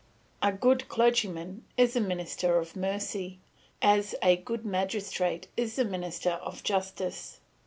A good clergyman is a minister of mercy, as a good magistrate is a minister of justice.